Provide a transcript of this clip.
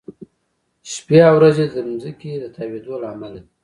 شپې او ورځې د ځمکې د تاوېدو له امله دي.